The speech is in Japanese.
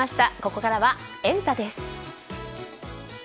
ここからはエンタ！です。